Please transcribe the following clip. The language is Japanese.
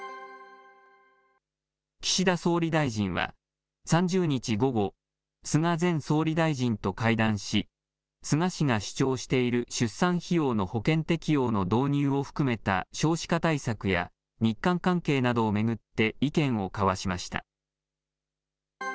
岸田総理大臣は、３０日午後、菅前総理大臣と会談し、菅氏が主張している出産費用の保険適用の導入を含めた少子化対策や、日韓関係などを巡って意見を交わしました。